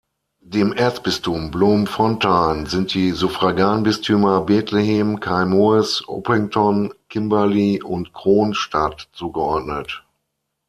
Dem Erzbistum Bloemfontein sind die Suffraganbistümer Bethlehem, Keimoes-Upington, Kimberley und Kroonstad zugeordnet.